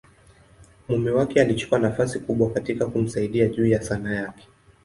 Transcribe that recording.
mume wake alichukua nafasi kubwa katika kumsaidia juu ya Sanaa yake.